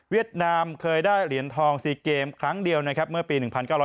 นามเคยได้เหรียญทอง๔เกมครั้งเดียวนะครับเมื่อปี๑๙